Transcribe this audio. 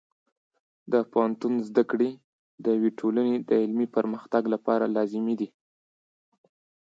د پوهنتون زده کړې د یوې ټولنې د علمي پرمختګ لپاره لازمي دي.